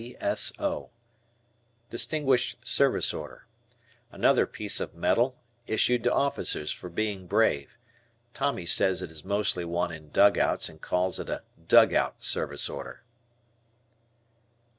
D.S.O. Distinguished Service Order. Another piece of metal issued to officers for being brave. Tommy says it is mostly won in dugouts and calls it a "Dugout Service Order."